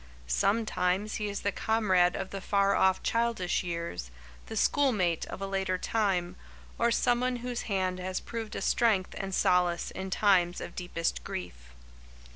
Sometimes he is the comrade of the far off childish years, the schoolmate of a later time, or someone whose hand has proved a strength and solace in times of deepest grief.